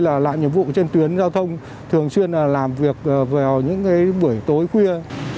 lại nhiệm vụ trên tuyến giao thông thường xuyên là làm việc vào những buổi tối khuya